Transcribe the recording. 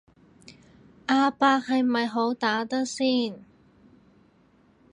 阿伯係咪好打得先